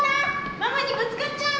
ママにぶつかっちゃう！